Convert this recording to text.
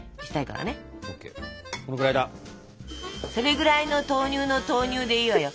それぐらいの豆乳の投入でいいわよ。